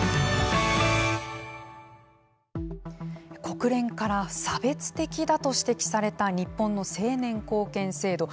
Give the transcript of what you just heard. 国連から差別的だと指摘された日本の成年後見制度。